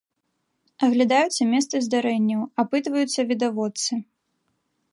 Аглядаюцца месцы здарэнняў, апытваюцца відавочцы.